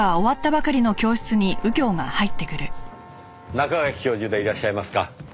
中垣教授でいらっしゃいますか？